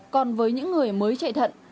còn với những người mới chạy thận